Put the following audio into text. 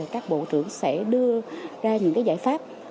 các bộ trưởng sẽ đưa ra những giải pháp